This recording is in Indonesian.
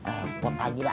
eh putar aja dah